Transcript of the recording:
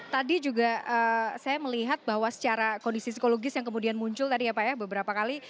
tadi juga saya melihat bahwa secara kondisi psikologis yang kemudian muncul tadi ya pak ya beberapa kali